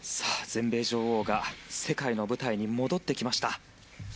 全米女王が世界の舞台に戻ってきました。